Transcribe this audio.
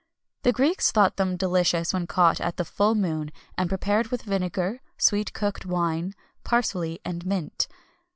The Greeks thought them delicious when caught at the full moon,[XXI 243] and prepared with vinegar, sweet cooked wine, parsley, and mint.